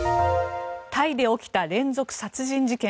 タイで起きた連続殺人事件。